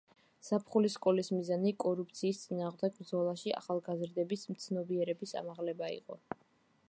ზაფხულის სკოლის მიზანი კორუფციის წინააღმდეგ ბრძოლაში ახალგაზრდების ცნობიერების ამაღლება იყო.